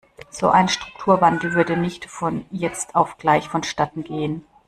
So ein Strukturwandel würde nicht von jetzt auf gleich vonstatten gehen.